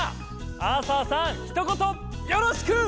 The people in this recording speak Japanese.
アーサーさんひと言よろしく！